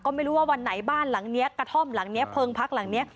ก็ไม่รู้ว่าวันไหนบ้านหลังนี้กระท่อมหลังนี้เพลิงพักหลังนี้